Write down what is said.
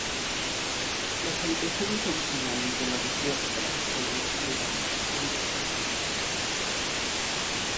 Los habitantes originales de la región eran el pueblo Gurang-Gurang.